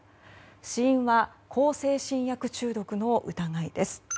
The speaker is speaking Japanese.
死因は向精神薬中毒の疑いです。